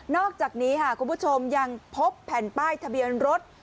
อกจากนี้ค่ะคุณผู้ชมยังพบแผ่นป้ายทะเบียนรถ